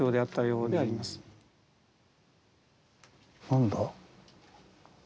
何だ？